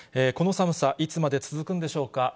この寒さ、いつまで続くんでしょうか。